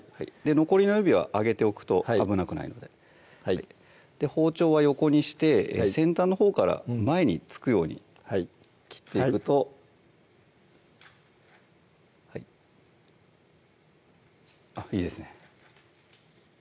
残りの指は上げておくと危なくないので包丁は横にして先端のほうから前に突くように切っていくといいですね